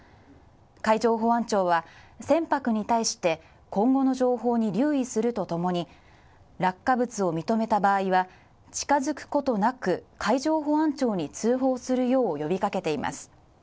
海上保安庁は船舶に対して今後の情報に留意するとともに、落下物を認めた場合には近づくことなく海上保安庁に通報するよう呼びかけています。